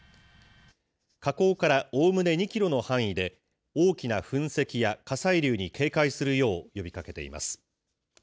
火口からおおむね２キロの範囲で、大きな噴石や火砕流に警戒するよう呼びかけています。